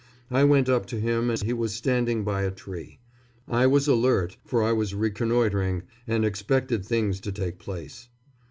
I went up to him as he was standing by a tree. I was alert, for I was reconnoitring and expected things to take place.